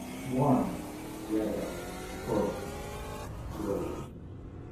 Warm! — red hot — scorching — glowing.